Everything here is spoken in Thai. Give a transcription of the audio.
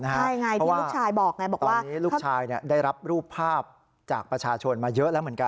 เพราะว่าตอนนี้ลูกชายได้รับรูปภาพจากประชาชนมาเยอะแล้วเหมือนกัน